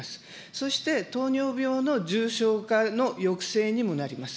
そして、糖尿病の重症化の抑制にもなります。